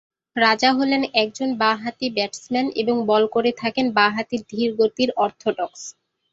রাজা হলেন একজন বা-হাতি ব্যাটসম্যান এবং বল করে থাকেন বা-হাতি ধীরগতির অর্থডক্স।